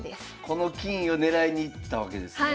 この金を狙いにいったわけですね。